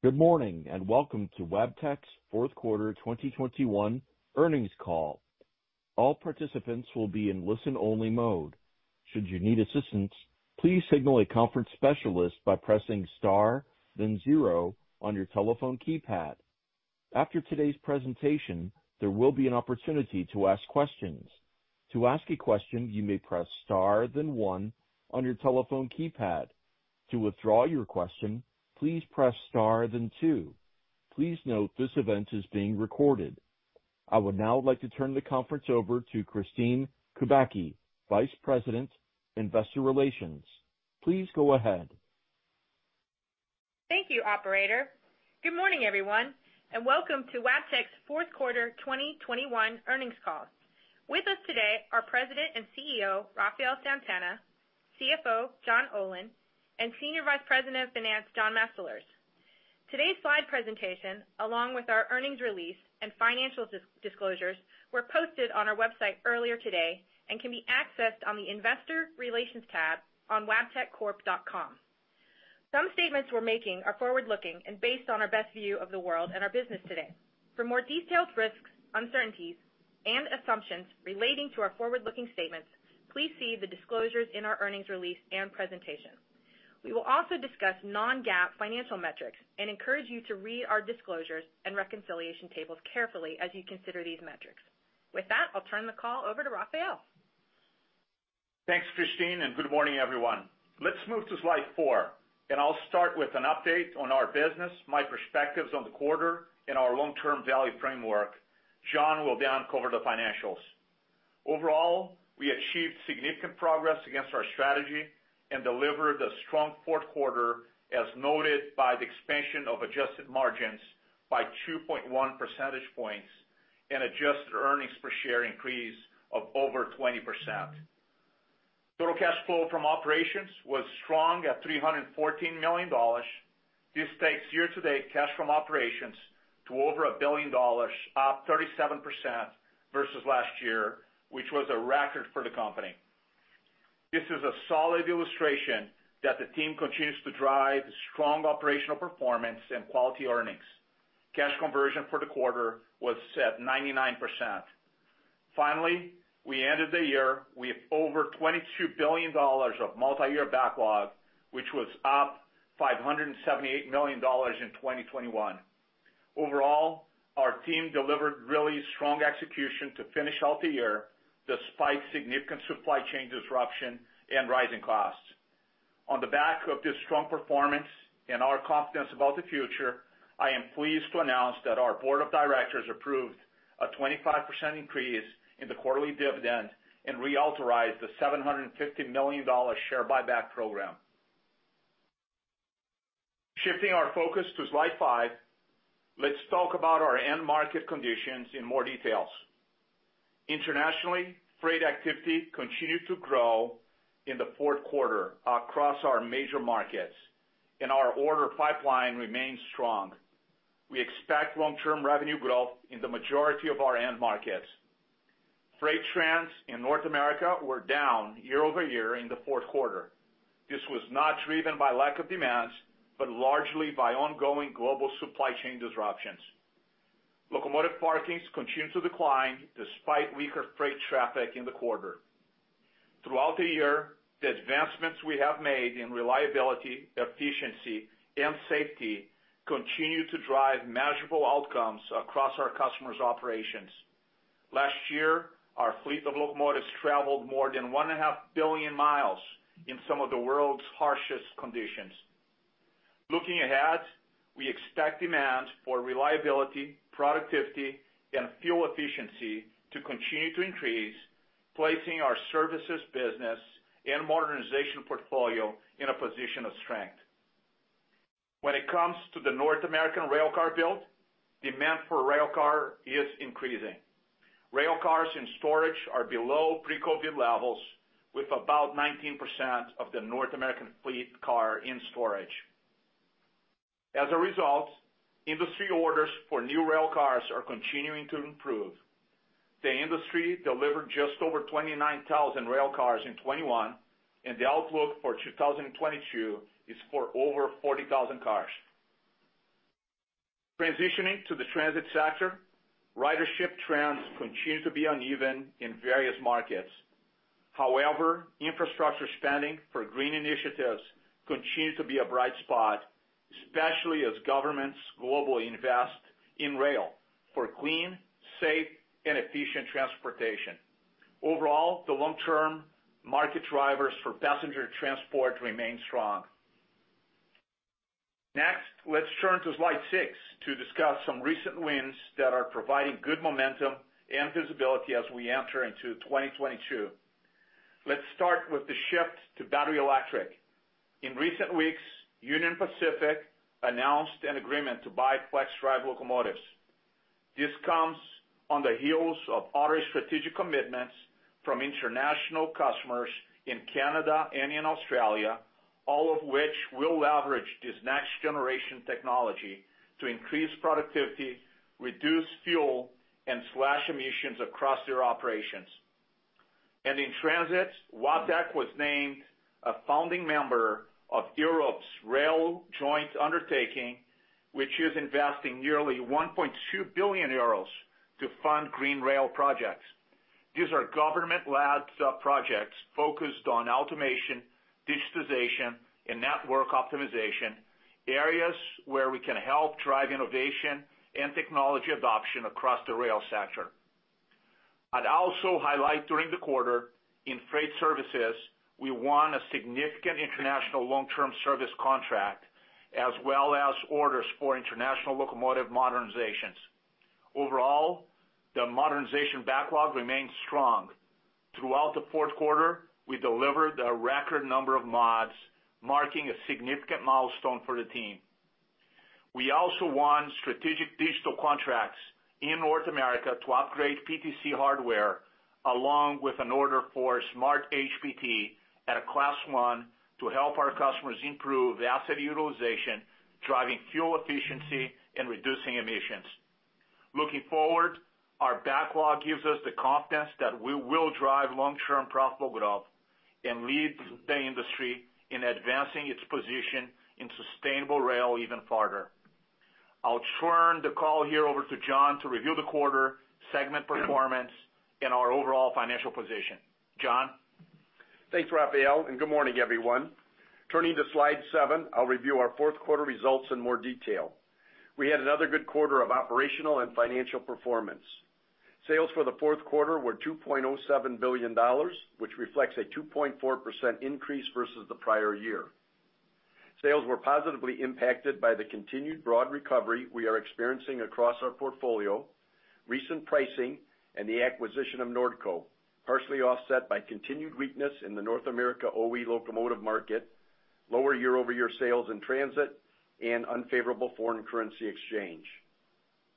Good morning, and welcome to Wabtec's Fourth Quarter 2021 Earnings Call. All participants will be in listen-only mode. Should you need assistance, please signal a conference specialist by pressing Star, then zero on your telephone keypad. After today's presentation, there will be an opportunity to ask questions. To ask a question, you may press Star then one on your telephone keypad. To withdraw your question, please press Star, then two. Please note this event is being recorded. I would now like to turn the conference over to Kristine Kubacki, Vice President, Investor Relations. Please go ahead. Thank you, operator. Good morning, everyone, and welcome to Wabtec's fourth quarter 2021 earnings call. With us today are President and CEO, Rafael Santana, CFO, John Olin, and Senior Vice President of Finance, John Mastalerz. Today's slide presentation, along with our earnings release and financial disclosures, were posted on our website earlier today and can be accessed on the Investor Relations tab on wabteccorp.com. Some statements we're making are forward-looking and based on our best view of the world and our business today. For more detailed risks, uncertainties, and assumptions relating to our forward-looking statements, please see the disclosures in our earnings release and presentation. We will also discuss non-GAAP financial metrics and encourage you to read our disclosures and reconciliation tables carefully as you consider these metrics. With that, I'll turn the call over to Rafael. Thanks, Kristine, and good morning, everyone. Let's move to slide four, and I'll start with an update on our business, my perspectives on the quarter and our long-term value framework. John will then cover the financials. Overall, we achieved significant progress against our strategy and delivered a strong fourth quarter, as noted by the expansion of adjusted margins by 2.1 percentage points and adjusted earnings per share increase of over 20%. Total cash flow from operations was strong at $314 million. This takes year-to-date cash from operations to over $1 billion, up 37% versus last year, which was a record for the company. This is a solid illustration that the team continues to drive strong operational performance and quality earnings. Cash conversion for the quarter was at 99%. Finally, we ended the year with over $22 billion of multiyear backlog, which was up $578 million in 2021. Overall, our team delivered really strong execution to finish out the year, despite significant supply chain disruption and rising costs. On the back of this strong performance and our confidence about the future, I am pleased to announce that our board of directors approved a 25% increase in the quarterly dividend and reauthorized the $750 million share buyback program. Shifting our focus to slide five, let's talk about our end market conditions in more details. Internationally, freight activity continued to grow in the fourth quarter across our major markets, and our order pipeline remains strong. We expect long-term revenue growth in the majority of our end markets. Freight trends in North America were down year-over-year in the fourth quarter. This was not driven by lack of demands, but largely by ongoing global supply chain disruptions. Locomotive parkings continued to decline despite weaker freight traffic in the quarter. Throughout the year, the advancements we have made in reliability, efficiency and safety continued to drive measurable outcomes across our customers' operations. Last year, our fleet of locomotives traveled more than 1.5 billion miles in some of the world's harshest conditions. Looking ahead, we expect demand for reliability, productivity and fuel efficiency to continue to increase, placing our services business and modernization portfolio in a position of strength. When it comes to the North American railcar build, demand for railcar is increasing. Railcars in storage are below pre-COVID levels, with about 19% of the North American car fleet in storage. As a result, industry orders for new railcars are continuing to improve. The industry delivered just over 29,000 railcars in 2021, and the outlook for 2022 is for over 40,000 cars. Transitioning to the transit sector, ridership trends continue to be uneven in various markets. However, infrastructure spending for green initiatives continues to be a bright spot, especially as governments globally invest in rail for clean, safe and efficient transportation. Overall, the long-term market drivers for passenger transport remain strong. Next, let's turn to slide six to discuss some recent wins that are providing good momentum and visibility as we enter into 2022. Let's start with the shift to battery electric. In recent weeks, Union Pacific announced an agreement to buy FLXdrive locomotives. This comes on the heels of other strategic commitments from international customers in Canada and in Australia, all of which will leverage this next generation technology to increase productivity, reduce fuel and slash emissions across their operations. In transit, Wabtec was named a founding member of Europe's Rail Joint Undertaking, which is investing nearly 1.2 billion euros to fund green rail projects. These are government-led sub projects focused on automation, digitization, and network optimization, areas where we can help drive innovation and technology adoption across the rail sector. I'd also highlight during the quarter, in freight services, we won a significant international long-term service contract, as well as orders for international locomotive modernizations. Overall, the modernization backlog remains strong. Throughout the fourth quarter, we delivered a record number of mods, marking a significant milestone for the team. We also won strategic digital contracts in North America to upgrade PTC hardware, along with an order for SmartHPT at a Class I to help our customers improve asset utilization, driving fuel efficiency and reducing emissions. Looking forward, our backlog gives us the confidence that we will drive long-term profitable growth and lead the industry in advancing its position in sustainable rail even farther. I'll turn the call here over to John to review the quarter, segment performance, and our overall financial position. John? Thanks, Rafael, and good morning, everyone. Turning to slide seven, I'll review our fourth quarter results in more detail. We had another good quarter of operational and financial performance. Sales for the fourth quarter were $2.07 billion, which reflects a 2.4% increase versus the prior year. Sales were positively impacted by the continued broad recovery we are experiencing across our portfolio, recent pricing, and the acquisition of Nordco, partially offset by continued weakness in the North American OE locomotive market, lower year-over-year sales in transit, and unfavorable foreign currency exchange.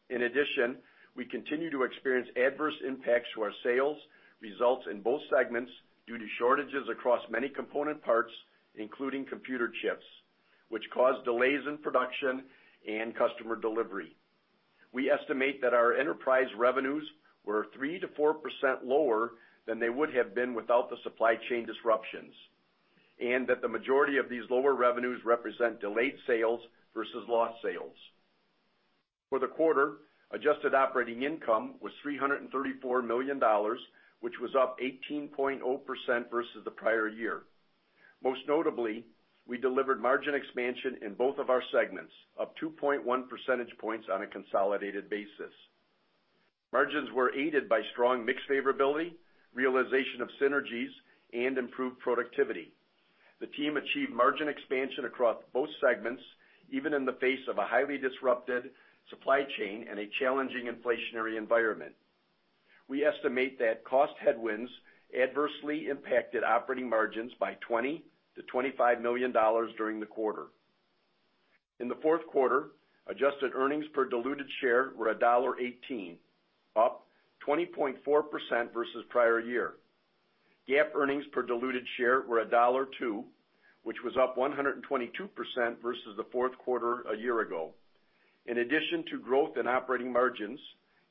In addition, we continue to experience adverse impacts to our sales results in both segments due to shortages across many component parts, including computer chips, which cause delays in production and customer delivery. We estimate that our enterprise revenues were 3%-4% lower than they would have been without the supply chain disruptions, and that the majority of these lower revenues represent delayed sales versus lost sales. For the quarter, adjusted operating income was $334 million, which was up 18.0% versus the prior year. Most notably, we delivered margin expansion in both of our segments, up 2.1 percentage points on a consolidated basis. Margins were aided by strong mix favorability, realization of synergies, and improved productivity. The team achieved margin expansion across both segments, even in the face of a highly disrupted supply chain and a challenging inflationary environment. We estimate that cost headwinds adversely impacted operating margins by $20 million-$25 million during the quarter. In the fourth quarter, adjusted earnings per diluted share were $1.18, up 20.4% versus prior year. GAAP earnings per diluted share were $1.02, which was up 122% versus the fourth quarter a year ago. In addition to growth in operating margins,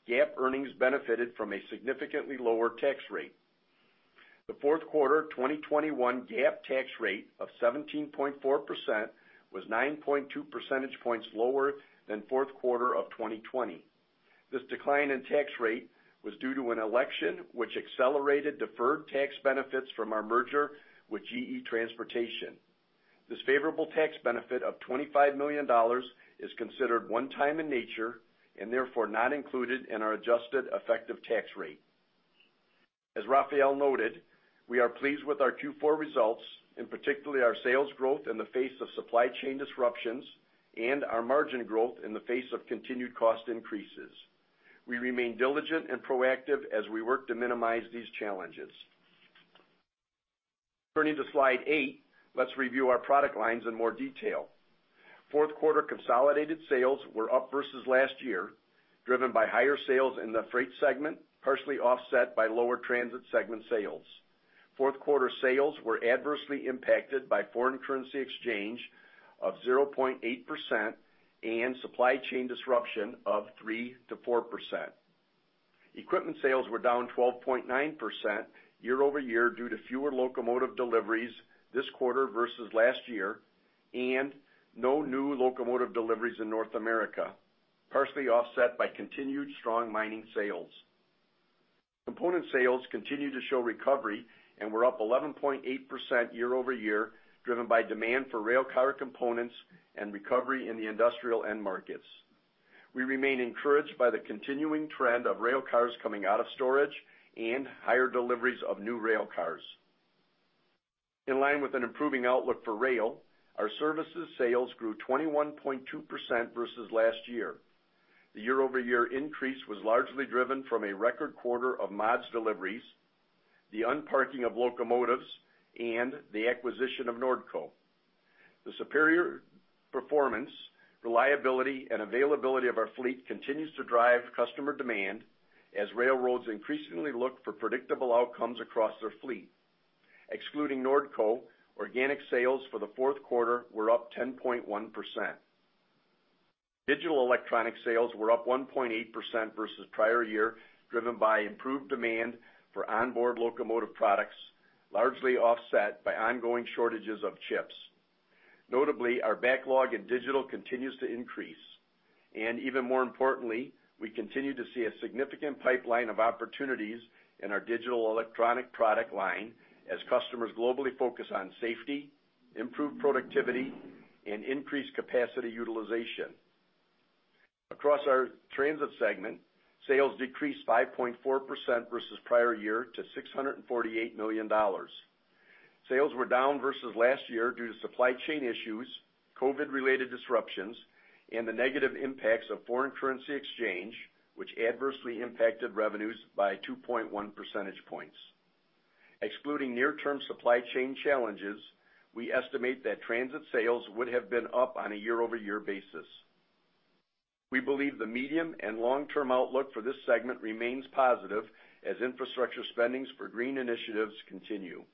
GAAP earnings benefited from a significantly lower tax rate. The fourth quarter 2021 GAAP tax rate of 17.4% was 9.2 percentage points lower than fourth quarter of 2020. This decline in tax rate was due to an election which accelerated deferred tax benefits from our merger with GE Transportation. This favorable tax benefit of $25 million is considered one time in nature and therefore not included in our adjusted effective tax rate. As Rafael noted, we are pleased with our Q4 results, and particularly our sales growth in the face of supply chain disruptions and our margin growth in the face of continued cost increases. We remain diligent and proactive as we work to minimize these challenges. Turning to Slide 8, let's review our product lines in more detail. Fourth quarter consolidated sales were up versus last year, driven by higher sales in the freight segment, partially offset by lower transit segment sales. Fourth quarter sales were adversely impacted by foreign currency exchange of 0.8% and supply chain disruption of 3%-4%. Equipment sales were down 12.9% year-over-year due to fewer locomotive deliveries this quarter versus last year and no new locomotive deliveries in North America, partially offset by continued strong mining sales. Component sales continue to show recovery and were up 11.8% year-over-year, driven by demand for rail car components and recovery in the industrial end markets. We remain encouraged by the continuing trend of rail cars coming out of storage and higher deliveries of new rail cars. In line with an improving outlook for rail, our services sales grew 21.2% versus last year. The year-over-year increase was largely driven from a record quarter of mods deliveries, the unparking of locomotives, and the acquisition of Nordco. The superior performance, reliability, and availability of our fleet continues to drive customer demand as railroads increasingly look for predictable outcomes across their fleet. Excluding Nordco, organic sales for the fourth quarter were up 10.1%. Digital electronic sales were up 1.8% versus prior year, driven by improved demand for onboard locomotive products, largely offset by ongoing shortages of chips. Notably, our backlog in digital continues to increase. Even more importantly, we continue to see a significant pipeline of opportunities in our digital electronic product line as customers globally focus on safety, improved productivity, and increased capacity utilization. Across our transit segment, sales decreased 5.4% versus prior year to $648 million. Sales were down versus last year due to supply chain issues, COVID-related disruptions, and the negative impacts of foreign currency exchange, which adversely impacted revenues by 2.1 percentage points. Excluding near-term supply chain challenges, we estimate that transit sales would have been up on a year-over-year basis. We believe the medium- and long-term outlook for this segment remains positive as infrastructure spending for green initiatives continues.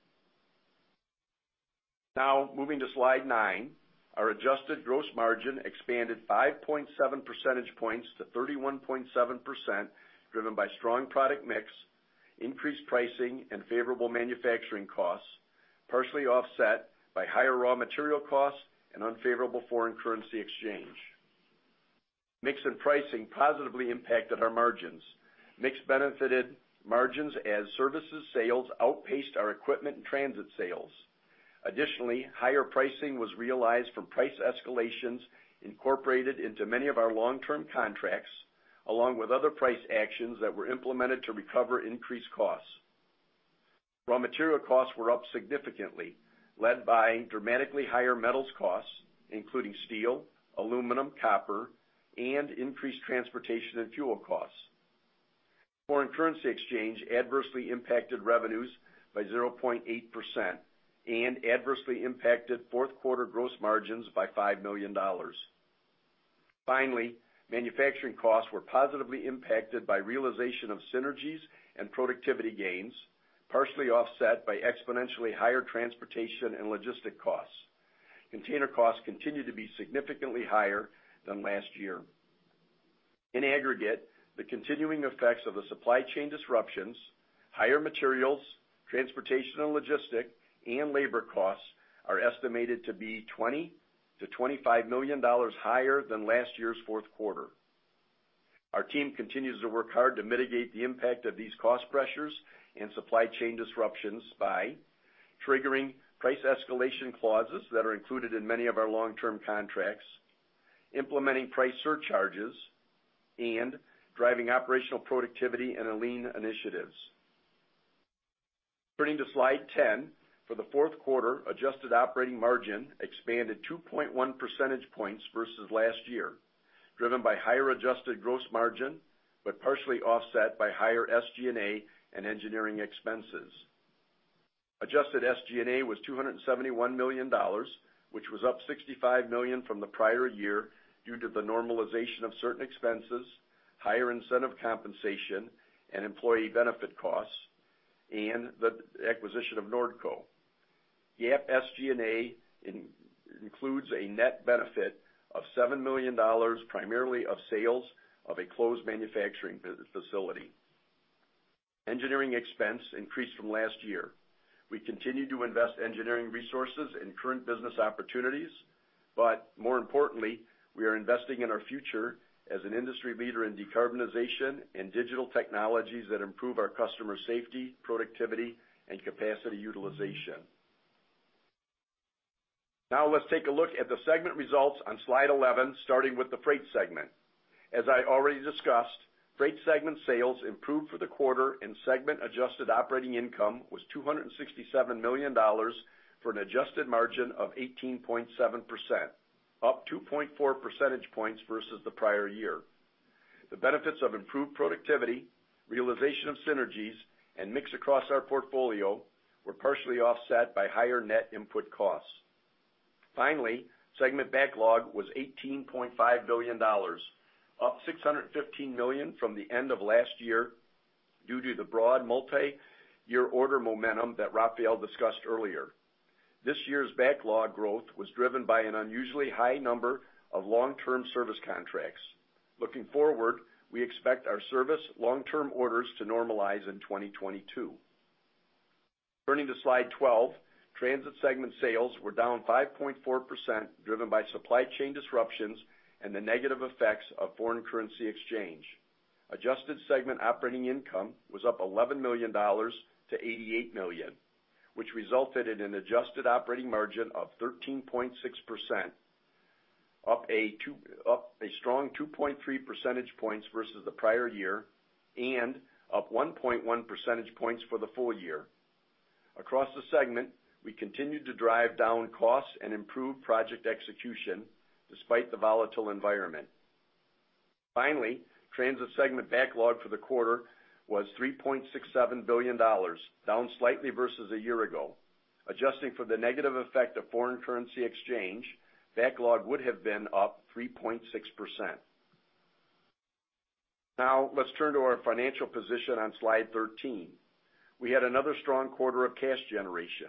Now, moving to slide nine. Our adjusted gross margin expanded 5.7 percentage points to 31.7%, driven by strong product mix, increased pricing, and favorable manufacturing costs, partially offset by higher raw material costs and unfavorable foreign currency exchange. Mix and pricing positively impacted our margins. Mix benefited margins as services sales outpaced our equipment and transit sales. Additionally, higher pricing was realized from price escalations incorporated into many of our long-term contracts, along with other price actions that were implemented to recover increased costs. Raw material costs were up significantly, led by dramatically higher metals costs, including steel, aluminum, copper, and increased transportation and fuel costs. Foreign currency exchange adversely impacted revenues by 0.8% and adversely impacted fourth quarter gross margins by $5 million. Finally, manufacturing costs were positively impacted by realization of synergies and productivity gains, partially offset by exponentially higher transportation and logistic costs. Container costs continue to be significantly higher than last year. In aggregate, the continuing effects of the supply chain disruptions, higher materials, transportation and logistic, and labor costs are estimated to be $20 million-$25 million higher than last year's fourth quarter. Our team continues to work hard to mitigate the impact of these cost pressures and supply chain disruptions by triggering price escalation clauses that are included in many of our long-term contracts, implementing price surcharges, and driving operational productivity and lean initiatives. Turning to slide 10. For the fourth quarter, adjusted operating margin expanded 2.1 percentage points versus last year, driven by higher adjusted gross margin, but partially offset by higher SG&A and engineering expenses. Adjusted SG&A was $271 million, which was up $65 million from the prior year due to the normalization of certain expenses, higher incentive compensation and employee benefit costs, and the acquisition of Nordco. Adjusted SG&A includes a net benefit of $7 million, primarily from sales of a closed manufacturing business facility. Engineering expense increased from last year. We continue to invest engineering resources in current business opportunities, but more importantly, we are investing in our future as an industry leader in decarbonization and digital technologies that improve our customer safety, productivity, and capacity utilization. Now let's take a look at the segment results on slide 11, starting with the Freight segment. As I already discussed, Freight segment sales improved for the quarter and segment adjusted operating income was $267 million for an adjusted margin of 18.7%, up 2.4 percentage points versus the prior year. The benefits of improved productivity, realization of synergies, and mix across our portfolio were partially offset by higher net input costs. Finally, segment backlog was $18.5 billion, up $615 million from the end of last year due to the broad multi-year order momentum that Rafael discussed earlier. This year's backlog growth was driven by an unusually high number of long-term service contracts. Looking forward, we expect our service long-term orders to normalize in 2022. Turning to slide 12. Transit segment sales were down 5.4%, driven by supply chain disruptions and the negative effects of foreign currency exchange. Adjusted segment operating income was up $11 million to $88 million, which resulted in an adjusted operating margin of 13.6%, up a strong 2.3 percentage points versus the prior year and up 1.1 percentage points for the full year. Across the segment, we continued to drive down costs and improve project execution despite the volatile environment. Finally, Transit segment backlog for the quarter was $3.67 billion, down slightly versus a year ago. Adjusting for the negative effect of foreign currency exchange, backlog would have been up 3.6%. Now let's turn to our financial position on slide 13. We had another strong quarter of cash generation.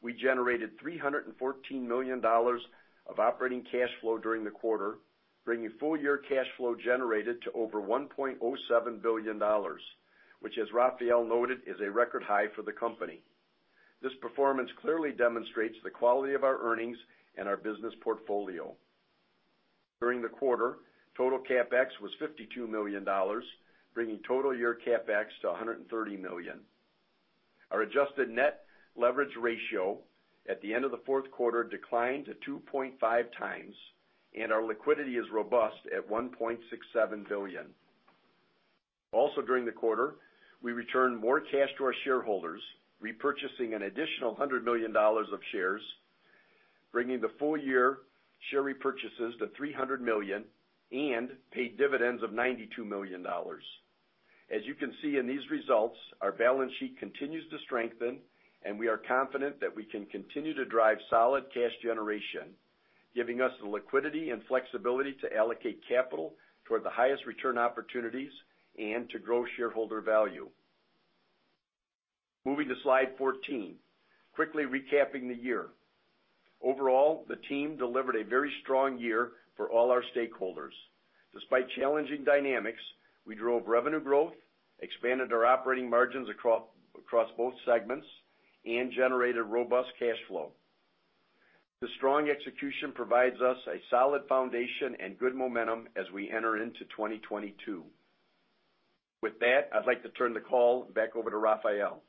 We generated $314 million of operating cash flow during the quarter, bringing full year cash flow generated to over $1.07 billion, which as Rafael noted, is a record high for the company. This performance clearly demonstrates the quality of our earnings and our business portfolio. During the quarter, total CapEx was $52 million, bringing total year CapEx to $130 million. Our adjusted net leverage ratio at the end of the fourth quarter declined to 2.5 times, and our liquidity is robust at $1.67 billion. Also, during the quarter, we returned more cash to our shareholders, repurchasing an additional $100 million of shares, bringing the full year share repurchases to $300 million and paid dividends of $92 million. As you can see in these results, our balance sheet continues to strengthen, and we are confident that we can continue to drive solid cash generation, giving us the liquidity and flexibility to allocate capital toward the highest return opportunities and to grow shareholder value. Moving to slide 14. Quickly recapping the year. Overall, the team delivered a very strong year for all our stakeholders. Despite challenging dynamics, we drove revenue growth, expanded our operating margins across both segments, and generated robust cash flow. The strong execution provides us a solid foundation and good momentum as we enter into 2022. With that, I'd like to turn the call back over to Rafael.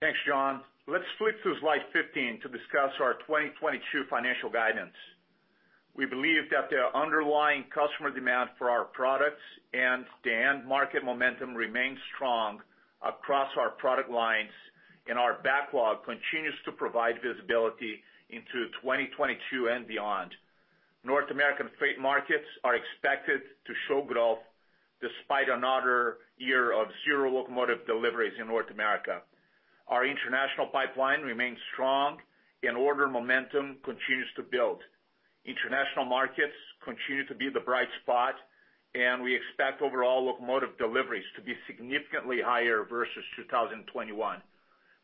Thanks, John. Let's flip to slide 15 to discuss our 2022 financial guidance. We believe that the underlying customer demand for our products and the end market momentum remains strong across our product lines, and our backlog continues to provide visibility into 2022 and beyond. North American freight markets are expected to show growth despite another year of zero locomotive deliveries in North America. Our international pipeline remains strong and order momentum continues to build. International markets continue to be the bright spot, and we expect overall locomotive deliveries to be significantly higher versus 2021.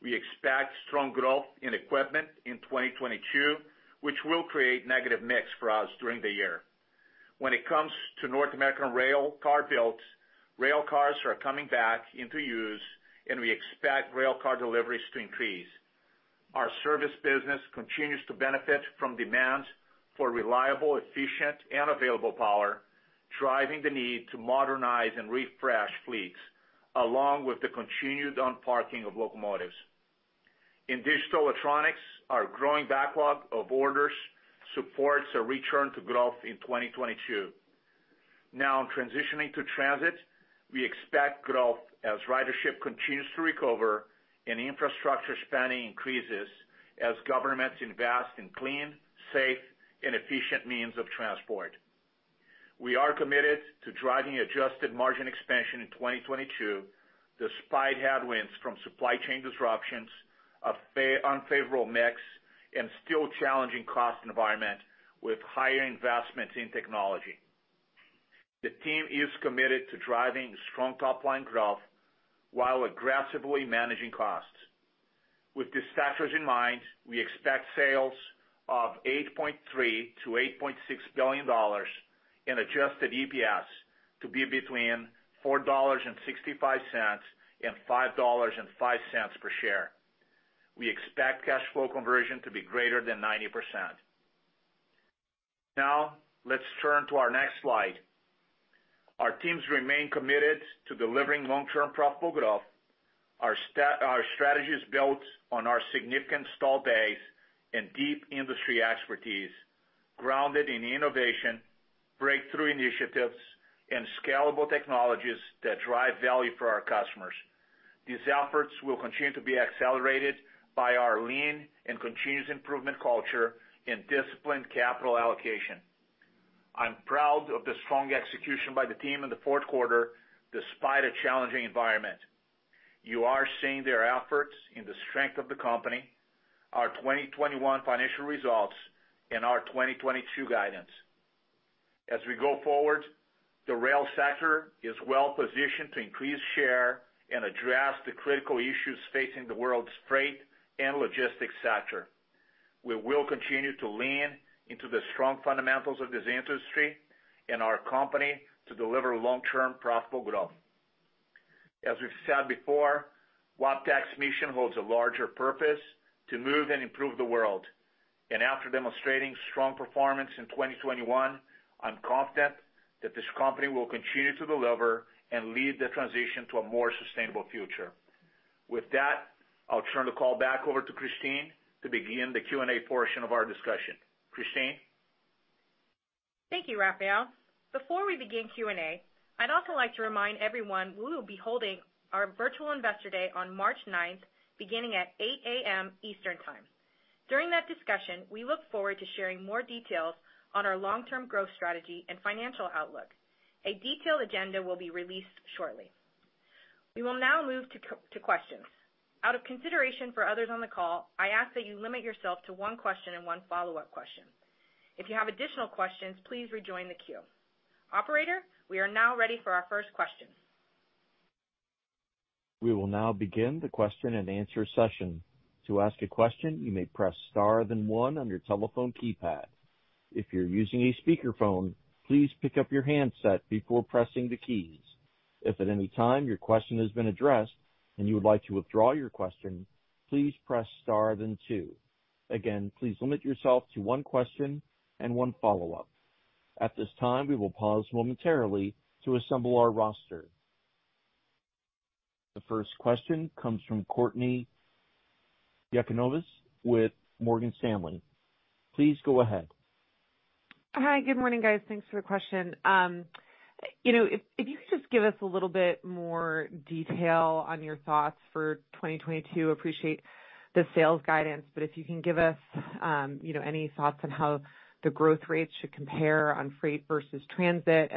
We expect strong growth in equipment in 2022, which will create negative mix for us during the year. When it comes to North American railcar builds, rail cars are coming back into use and we expect rail car deliveries to increase. Our service business continues to benefit from demands for reliable, efficient, and available power, driving the need to modernize and refresh fleets, along with the continued unparking of locomotives. In Digital Electronics, our growing backlog of orders supports a return to growth in 2022. Now transitioning to transit, we expect growth as ridership continues to recover and infrastructure spending increases as governments invest in clean, safe, and efficient means of transport. We are committed to driving adjusted margin expansion in 2022, despite headwinds from supply chain disruptions, an unfavorable mix, and still challenging cost environment with higher investments in technology. The team is committed to driving strong top line growth while aggressively managing costs. With these factors in mind, we expect sales of $8.3 billion-$8.6 billion and adjusted EPS to be between $4.65 and $5.05 per share. We expect cash flow conversion to be greater than 90%. Now let's turn to our next slide. Our teams remain committed to delivering long-term profitable growth. Our strategy is built on our significant installed base and deep industry expertise, grounded in innovation, breakthrough initiatives, and scalable technologies that drive value for our customers. These efforts will continue to be accelerated by our lean and continuous improvement culture and disciplined capital allocation. I'm proud of the strong execution by the team in the fourth quarter despite a challenging environment. You are seeing their efforts in the strength of the company, our 2021 financial results, and our 2022 guidance. As we go forward, the rail sector is well-positioned to increase share and address the critical issues facing the world's freight and logistics sector. We will continue to lean into the strong fundamentals of this industry and our company to deliver long-term profitable growth. As we've said before, Wabtec's mission holds a larger purpose to move and improve the world. After demonstrating strong performance in 2021, I'm confident that this company will continue to deliver and lead the transition to a more sustainable future. With that, I'll turn the call back over to Kristine to begin the Q&A portion of our discussion. Kristine? Thank you, Rafael. Before we begin Q&A, I'd also like to remind everyone we will be holding our virtual investor day on March ninth, beginning at 8:00 A.M. Eastern Time. During that discussion, we look forward to sharing more details on our long-term growth strategy and financial outlook. A detailed agenda will be released shortly. We will now move to questions. Out of consideration for others on the call, I ask that you limit yourself to one question and one follow-up question. If you have additional questions, please rejoin the queue. Operator, we are now ready for our first question. We will now begin the question and answer session. To ask a question, you may press star, then one on your telephone keypad. If you're using a speakerphone, please pick up your handset before pressing the keys. If at any time your question has been addressed and you would like to withdraw your question, please press star, then two. Again, please limit yourself to one question and one follow-up. At this time, we will pause momentarily to assemble our roster. The first question comes from Courtney Yakavonis with Morgan Stanley. Please go ahead. Hi, good morning, guys. Thanks for the question. You know, if you could just give us a little bit more detail on your thoughts for 2022. Appreciate the sales guidance, but if you can give us, you know, any thoughts on how the growth rates should compare on freight versus transit.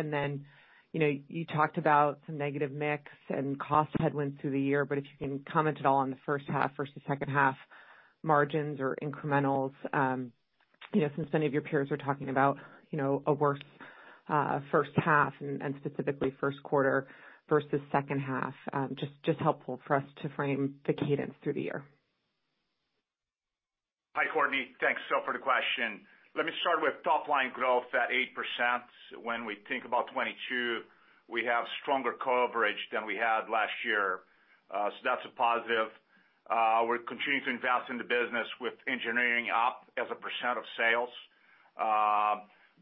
You know, you talked about some negative mix and cost headwinds through the year, but if you can comment at all on the first half versus second half margins or incrementals, you know, since many of your peers are talking about, you know, a worse first half and specifically first quarter versus second half, just helpful for us to frame the cadence through the year. Hi, Courtney. Thanks for the question. Let me start with top line growth at 8%. When we think about 2022, we have stronger coverage than we had last year. That's a positive. We're continuing to invest in the business with engineering up as a percent of sales.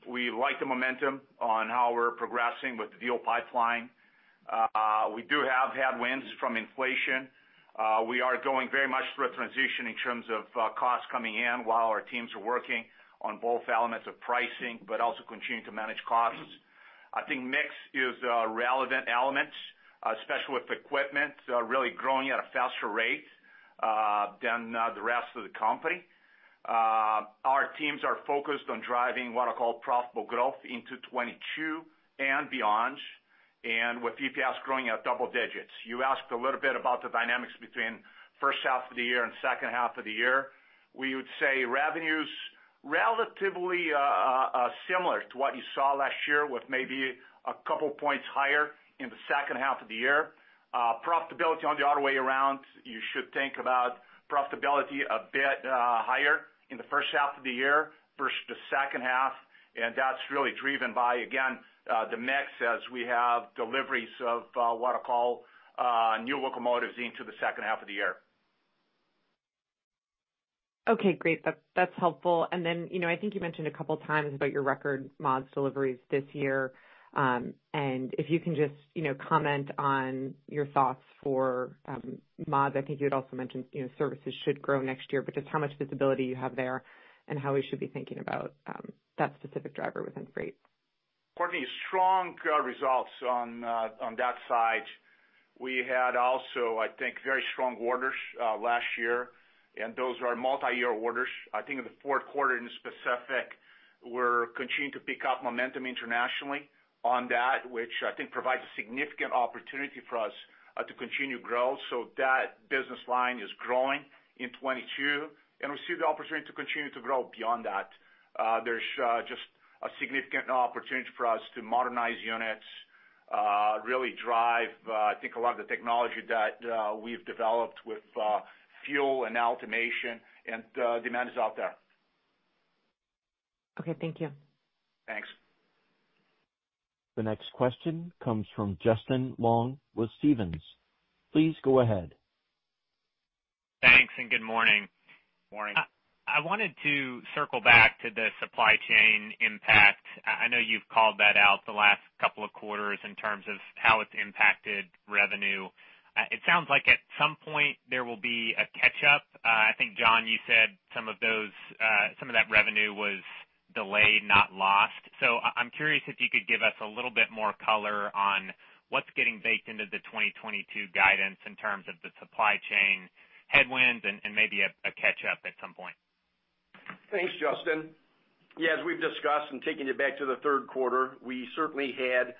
We like the momentum on how we're progressing with the deal pipeline. We do have headwinds from inflation. We are going very much through a transition in terms of costs coming in while our teams are working on both elements of pricing but also continuing to manage costs. I think mix is a relevant element, especially with equipment really growing at a faster rate than the rest of the company. Our teams are focused on driving what I call profitable growth into 2022 and beyond. With EPS growing at double digits. You asked a little bit about the dynamics between first half of the year and second half of the year. We would say revenues relatively similar to what you saw last year, with maybe a couple points higher in the second half of the year. Profitability on the other way around, you should think about profitability a bit higher in the first half of the year versus the second half, and that's really driven by, again, the mix as we have deliveries of what I call new locomotives into the second half of the year. Okay, great. That's helpful. Then, you know, I think you mentioned a couple times about your record mods deliveries this year. If you can just, you know, comment on your thoughts for mods. I think you had also mentioned, you know, services should grow next year, but just how much visibility you have there and how we should be thinking about that specific driver within freight. Courtney, strong results on that side. We had also, I think, very strong orders last year, and those are multiyear orders. I think in the fourth quarter in specific, we're continuing to pick up momentum internationally on that which I think provides a significant opportunity for us to continue growth. That business line is growing in 2022, and we see the opportunity to continue to grow beyond that. There's just a significant opportunity for us to modernize units, really drive, I think, a lot of the technology that we've developed with fuel and automation and demand is out there. Okay, thank you. Thanks. The next question comes from Justin Long with Stephens. Please go ahead. Thanks, and good morning. Morning. I wanted to circle back to the supply chain impact. I know you've called that out the last couple of quarters in terms of how it's impacted revenue. It sounds like at some point there will be a catch-up. I think, John, you said some of that revenue was delayed, not lost. I'm curious if you could give us a little bit more color on what's getting baked into the 2022 guidance in terms of the supply chain headwinds and maybe a catch-up at some point. Thanks, Justin. Yeah, as we've discussed and taking it back to the third quarter, we certainly had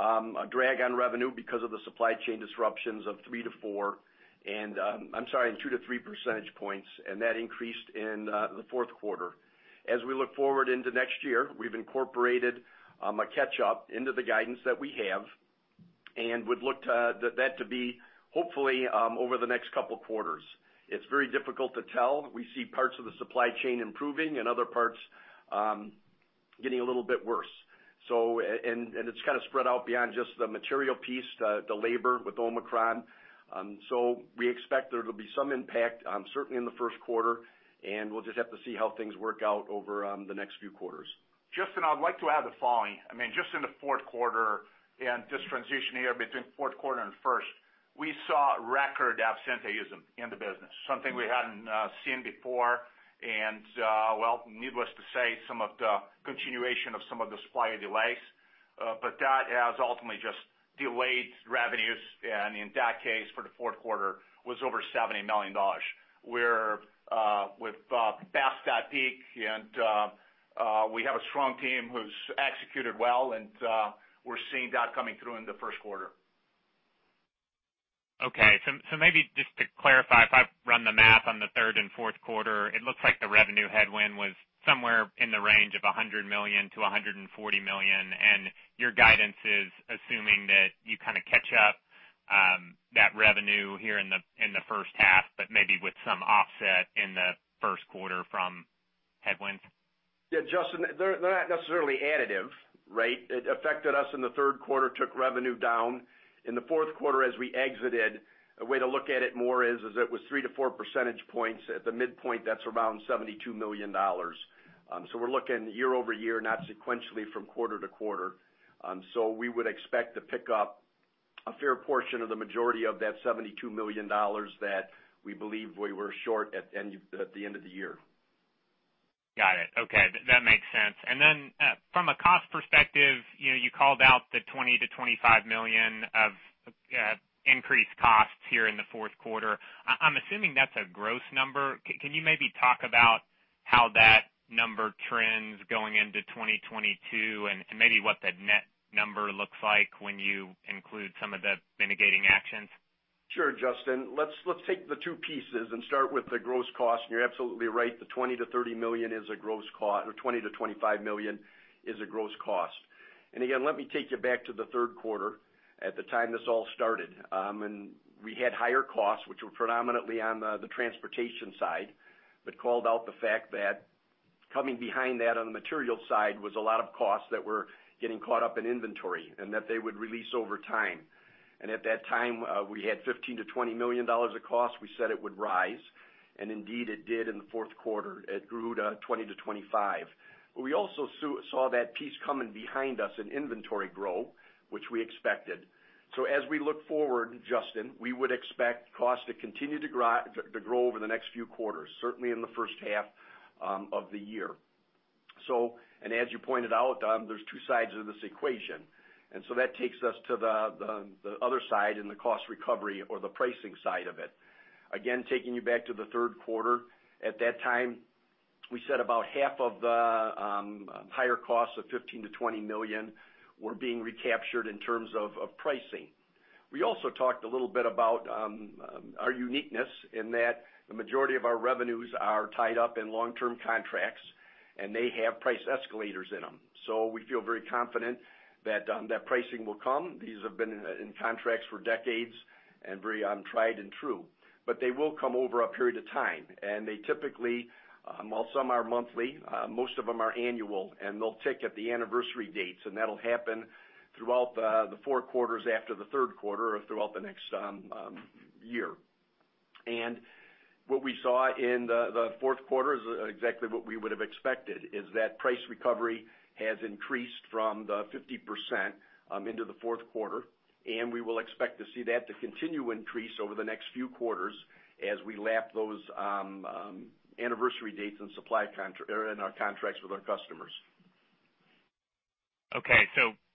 a drag on revenue because of the supply chain disruptions of 3-4. I'm sorry, in 2-3 percentage points, and that increased in the fourth quarter. As we look forward into next year, we've incorporated a catch-up into the guidance that we have and would look to that to be hopefully over the next couple quarters. It's very difficult to tell. We see parts of the supply chain improving and other parts getting a little bit worse. And it's kind of spread out beyond just the material piece, the labor with Omicron. We expect there to be some impact, certainly in the first quarter, and we'll just have to see how things work out over the next few quarters. Justin, I'd like to add the following. I mean, just in the fourth quarter and this transition here between fourth quarter and first, we saw record absence in the business, something we hadn't seen before. Well, needless to say, some of the continuation of some of the supply delays, but that has ultimately just delayed revenues. In that case, for the fourth quarter was over $70 million. We're past that peak and We have a strong team who's executed well, and we're seeing that coming through in the first quarter. Okay. Maybe just to clarify, if I run the math on the third and fourth quarter, it looks like the revenue headwind was somewhere in the range of $100 million-$140 million, and your guidance is assuming that you kinda catch up that revenue here in the first half, but maybe with some offset in the first quarter from headwinds. Yeah, Justin, they're not necessarily additive, right? It affected us in the third quarter, took revenue down. In the fourth quarter as we exited, a way to look at it more is it was 3-4 percentage points. At the midpoint, that's around $72 million. We're looking year-over-year, not sequentially from quarter to quarter. We would expect to pick up a fair portion of the majority of that $72 million that we believe we were short at the end of the year. Got it. Okay. That makes sense. From a cost perspective, you know, you called out the $20 million-$25 million of increased costs here in the fourth quarter. I'm assuming that's a gross number. Can you maybe talk about how that number trends going into 2022 and maybe what the net number looks like when you include some of the mitigating actions? Sure, Justin. Let's take the two pieces and start with the gross cost. You're absolutely right, the $20 million-$30 million is a gross cost, or $20 million-$25 million is a gross cost. Again, let me take you back to the third quarter at the time this all started. We had higher costs, which were predominantly on the transportation side, but called out the fact that coming behind that on the material side was a lot of costs that were getting caught up in inventory, and that they would release over time. At that time, we had $15 million-$20 million of cost. We said it would rise, and indeed, it did in the fourth quarter. It grew to $20 million-$25 million. We also saw that piece coming behind us in inventory grow, which we expected. As we look forward, Justin, we would expect cost to continue to grow over the next few quarters, certainly in the first half of the year. As you pointed out, there's two sides of this equation. That takes us to the other side in the cost recovery or the pricing side of it. Again, taking you back to the third quarter. At that time, we said about half of the higher costs of $15 million-$20 million were being recaptured in terms of pricing. We also talked a little bit about our uniqueness in that the majority of our revenues are tied up in long-term contracts, and they have price escalators in them. We feel very confident that pricing will come. These have been in contracts for decades and very tried and true. They will come over a period of time, and they typically while some are monthly most of them are annual, and they'll tick at the anniversary dates, and that'll happen throughout the four quarters after the third quarter or throughout the next year. What we saw in the fourth quarter is exactly what we would have expected, is that price recovery has increased from the 50% into the fourth quarter, and we will expect to see that to continue increase over the next few quarters as we lap those anniversary dates or in our contracts with our customers. Okay.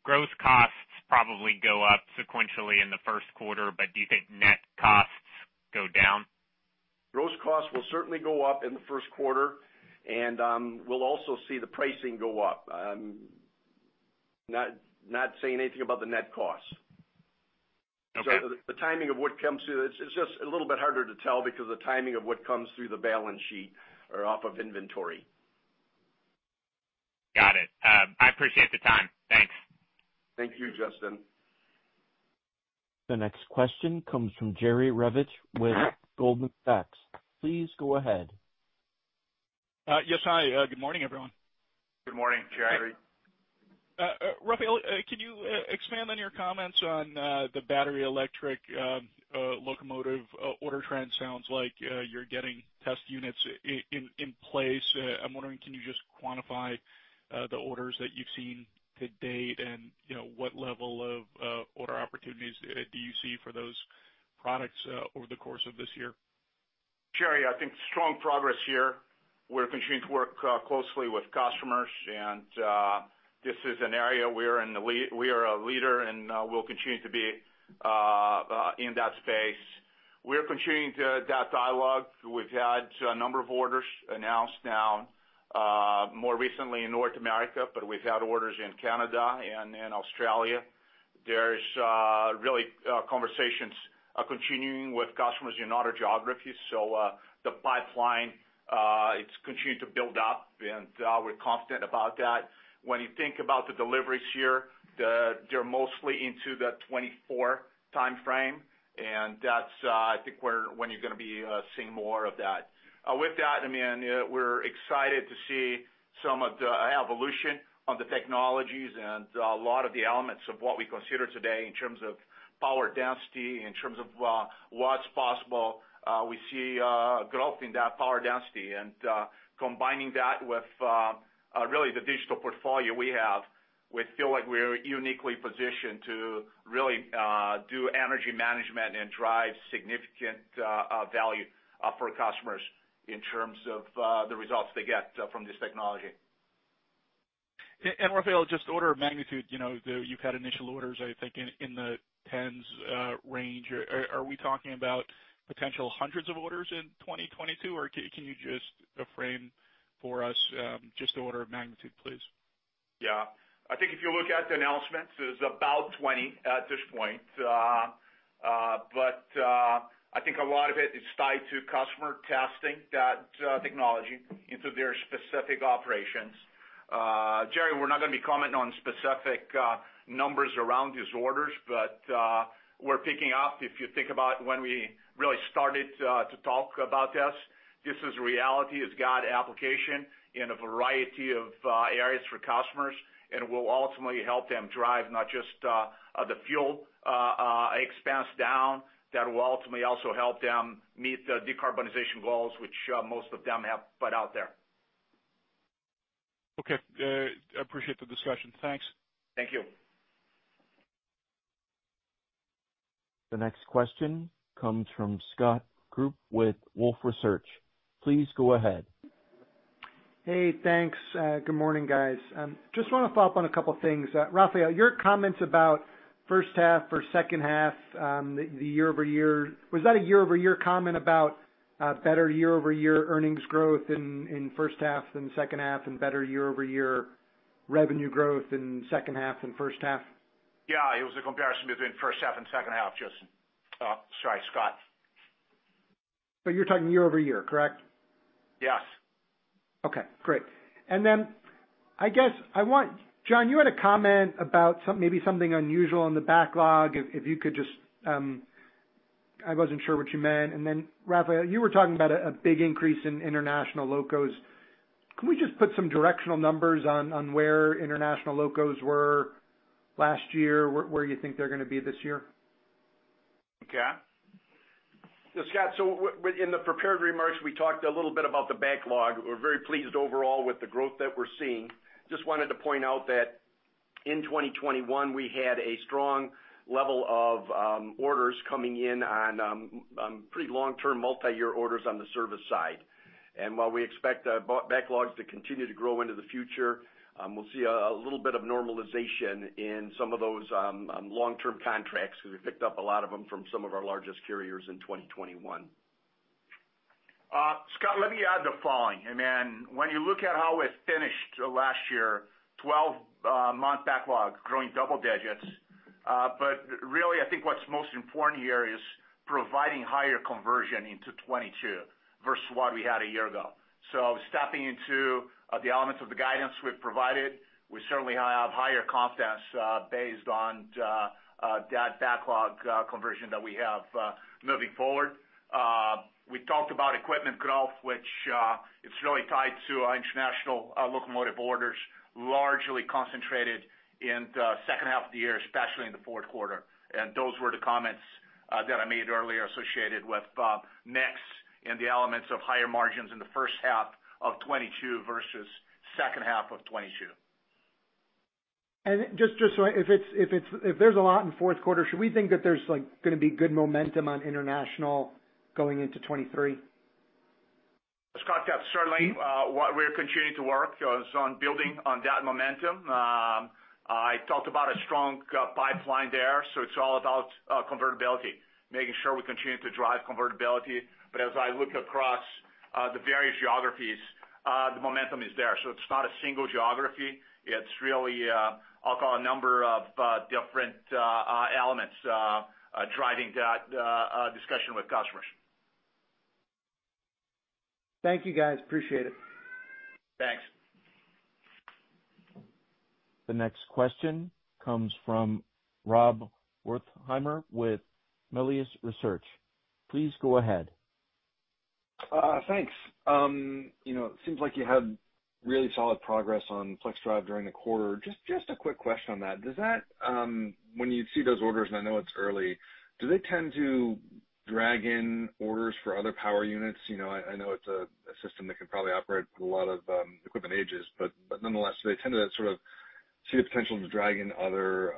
Gross costs probably go up sequentially in the first quarter, but do you think net costs go down? Gross costs will certainly go up in the first quarter, and we'll also see the pricing go up. I'm not saying anything about the net costs. Okay. The timing of what comes through, it's just a little bit harder to tell because the timing of what comes through the balance sheet or off of inventory. Got it. I appreciate the time. Thanks. Thank you, Justin. The next question comes from Jerry Revich with Goldman Sachs. Please go ahead. Yes. Hi. Good morning, everyone. Good morning, Jerry. Rafael, can you expand on your comments on the battery electric locomotive order trend? Sounds like you're getting test units in place. I'm wondering, can you just quantify the orders that you've seen to date and, you know, what level of order opportunities do you see for those products over the course of this year? Jerry, I think strong progress here. We're continuing to work closely with customers, and this is an area we are a leader, and we'll continue to be in that space. We're continuing that dialogue. We've had a number of orders announced now, more recently in North America, but we've had orders in Canada and in Australia. There's really conversations continuing with customers in other geographies. The pipeline, it's continuing to build up, and we're confident about that. When you think about the deliveries here, they're mostly into the 2024 timeframe, and that's, I think, when you're gonna be seeing more of that. With that, I mean, we're excited to see some of the evolution of the technologies and a lot of the elements of what we consider today in terms of power density, in terms of what's possible. We see growth in that power density. Combining that with really the digital portfolio we have, we feel like we're uniquely positioned to really do energy management and drive significant value for customers in terms of the results they get from this technology. Rafael, just order of magnitude, you've had initial orders, I think in the tens range. Are we talking about potential hundreds of orders in 2022 or can you just frame for us just the order of magnitude, please? Yeah. I think if you look at the announcements, there's about 20 at this point. But I think a lot of it is tied to customer testing that technology into their specific operations. Jerry, we're not gonna be commenting on specific numbers around these orders, but we're picking up. If you think about when we really started to talk about this is reality. It's got application in a variety of areas for customers, and will ultimately help them drive not just the fuel expense down. That will ultimately also help them meet the decarbonization goals, which most of them have put out there. Okay. Appreciate the discussion. Thanks. Thank you. The next question comes from Scott Group with Wolfe Research. Please go ahead. Hey, thanks. Good morning, guys. Just wanna follow up on a couple things. Rafael, your comments about first half or second half, the year over year, was that a year over year comment about better year over year earnings growth in first half than second half and better year over year revenue growth in second half than first half? Yeah, it was a comparison between first half and second half, Justin. Sorry, Scott. You're talking year-over-year, correct? Yes. Okay, great. I guess I want John, you had a comment about maybe something unusual in the backlog. If you could just, I wasn't sure what you meant. Rafael, you were talking about a big increase in international locos. Can we just put some directional numbers on where international locos were last year, where you think they're gonna be this year? Okay. Yeah, Scott, in the prepared remarks, we talked a little bit about the backlog. We're very pleased overall with the growth that we're seeing. Just wanted to point out that in 2021, we had a strong level of orders coming in on pretty long-term multi-year orders on the service side. While we expect backlogs to continue to grow into the future, we'll see a little bit of normalization in some of those long-term contracts, because we picked up a lot of them from some of our largest carriers in 2021. Scott, let me add the following. Then when you look at how we finished last year, 12-month backlog growing double digits. But really, I think what's most important here is providing higher conversion into 2022 versus what we had a year ago. Stepping into the elements of the guidance we've provided, we certainly have higher confidence based on that backlog conversion that we have moving forward. We talked about equipment growth, which it's really tied to our international locomotive orders, largely concentrated in the second half of the year, especially in the fourth quarter. Those were the comments that I made earlier associated with mix and the elements of higher margins in the first half of 2022 versus second half of 2022. Just so I know, if there's a lot in fourth quarter, should we think that there's like gonna be good momentum on international going into 2023? Scott, that's certainly what we're continuing to work on building on that momentum. I talked about a strong pipeline there, so it's all about convertibility, making sure we continue to drive convertibility. As I look across the various geographies, the momentum is there. It's not a single geography. It's really I'll call a number of different elements driving that discussion with customers. Thank you, guys. Appreciate it. Thanks. The next question comes from Rob Wertheimer with Melius Research. Please go ahead. Thanks. You know, it seems like you had really solid progress on FLXdrive during the quarter. Just a quick question on that. Does that, when you see those orders, and I know it's early, do they tend to drag in orders for other power units? You know, I know it's a system that can probably operate a lot of equipment as is, but nonetheless, do they tend to sort of see the potential to drag in other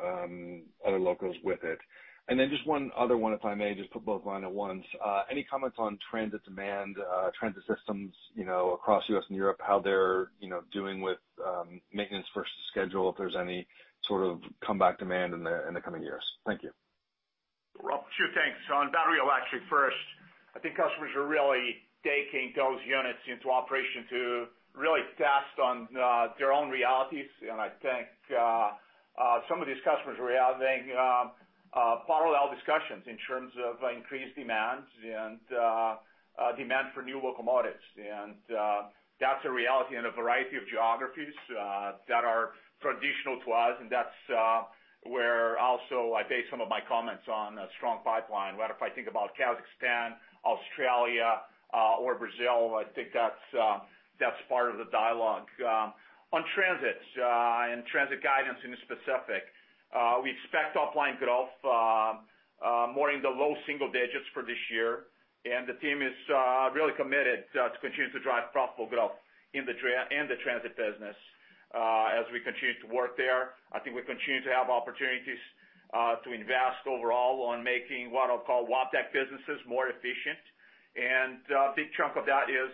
locos with it? Then just one other one, if I may just put both in at once. Any comments on transit demand, transit systems, you know, across U.S. and Europe, how they're doing with maintenance versus schedule, if there's any sort of comeback demand in the coming years? Thank you. Rob, two things. On battery electric first, I think customers are really taking those units into operation to really test on their own realities. I think some of these customers are having parallel discussions in terms of increased demands and demand for new locomotives. That's a reality in a variety of geographies that are traditional to us, and that's where also I base some of my comments on a strong pipeline. If I think about Kazakhstan, Australia, or Brazil, I think that's part of the dialogue. On transit and transit guidance specifically, we expect organic growth more in the low single digits for this year, and the team is really committed to continue to drive profitable growth in the transit business. As we continue to work there, I think we continue to have opportunities to invest overall on making what I'll call Wabtec businesses more efficient. A big chunk of that is